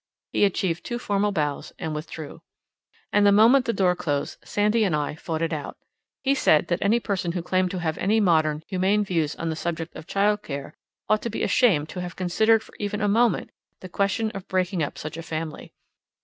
He achieved two formal bows and withdrew. And the moment the door closed Sandy and I fought it out. He said that any person who claimed to have any modern, humane views on the subject of child care ought to be ashamed to have considered for even a moment the question of breaking up such a family.